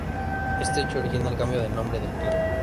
Este hecho origina el cambio de nombre del clan.